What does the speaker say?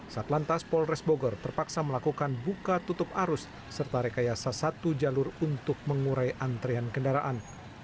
satlantas polres bogor terpaksa melakukan buka tutup arus serta rekayasa satu jalur untuk mengurai antrean kendaraan